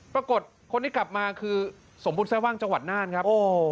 ปรากฏคนที่กลับมาคือสมบูรณแร่ว่างจังหวัดน่านครับ